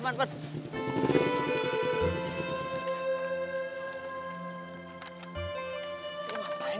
kenapa yang keluar lagi